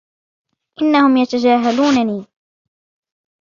إنهم يتجاهلونني.